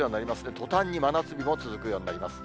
とたんに真夏日も続くようになります。